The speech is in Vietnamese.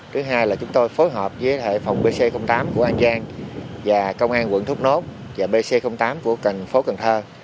thứ hai là chúng tôi phối hợp với hệ phòng bc tám của an giang và công an quận thúc nốt và bc tám của thành phố cần thơ